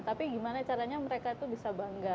tapi gimana caranya mereka tuh bisa bangga